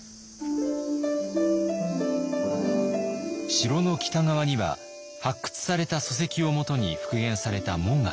城の北側には発掘された礎石をもとに復元された門が立っています。